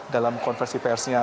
dalam konversi persnya